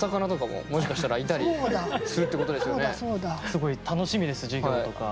すごい楽しみです授業とか。